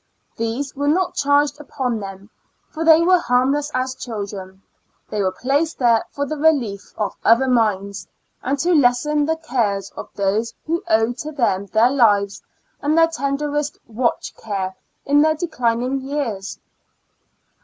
These were not charged upon them, for they were harmless as children ; they were placed there for the relief of other minds, and to lessen the cares of those who owe to them their lives and their tenderest watch care in their declining years